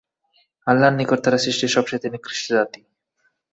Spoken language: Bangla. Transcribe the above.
আল্লাহর নিকট তারা সৃষ্টির সব চাইতে নিকৃষ্ট জাতি।